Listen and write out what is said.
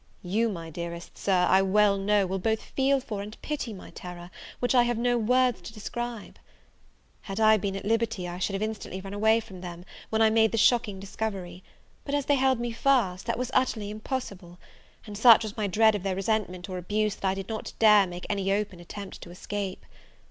You, my dearest Sir, I well know, will both feel for and pity my terror, which I have no words to describe. Had I been at liberty, I should have instantly run away from them when I made the shocking discovery: but, as they held me fast, that was utterly impossible: and such was my dread of their resentment or abuse that I did not dare make any open attempt to escape.